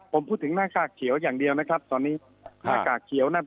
ผมพูดถึงหน้ากากเขียวอย่างเดียวนะครับตอนนี้อ่า